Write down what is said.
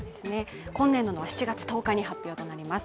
今年度は７月１０日に発表となります。